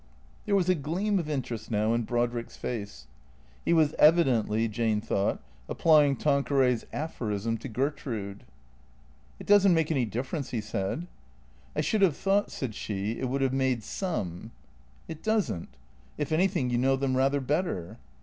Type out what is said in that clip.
There was a gleam of interest now in Brodrick's face. He was evidently, Jane thought, applying Tanqueray's aphorism to Gertrude. " It does n't make any difference," he said. " I should have thought," said she, " it would have made some." "It doesn't. If anything, you know them rather better."